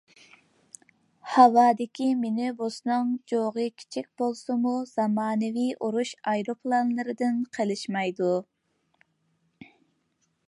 ھاۋادىكى مىنىبۇسنىڭ «جۇغى» كىچىك بولسىمۇ، زامانىۋى ئۇرۇش ئايروپىلانلىرىدىن قېلىشمايدۇ.